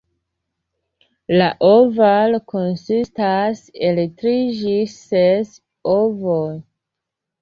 La ovaro konsistas el tri ĝis ses ovoj.